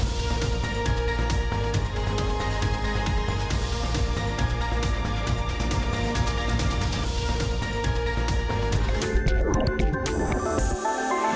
สวัสดีค่ะ